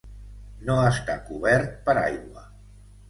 No està cobert per aigua.